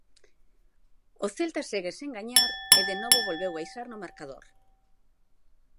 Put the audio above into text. O Celta segue sen gañar e de novo volveu baixar no marcador.